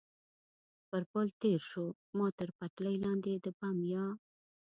پر پل تېر شو، ما تر پټلۍ لاندې د بم یا.